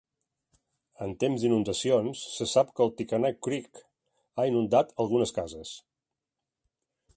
En temps d'inundacions, se sap que Tycannah Creek ha inundat algunes cases.